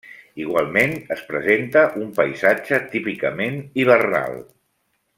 Igualment, es presenta un paisatge típicament hivernal.